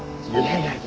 はい？